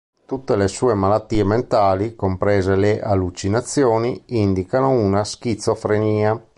Tutte le sue malattie mentali, comprese le allucinazioni, indicano una schizofrenia.